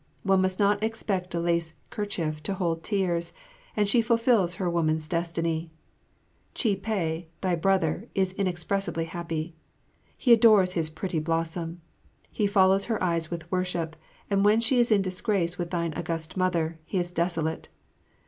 One must not expect a lace kerchief to hold tears, and she fulfills her woman's destiny. Chih peh, thy brother, is inexpressibly happy. He adores his pretty blossom. He follows her with eyes worship, and when she is in disgrace with thine August Mother, he is desolate.